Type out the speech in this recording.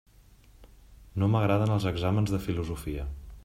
No m'agraden els exàmens de filosofia.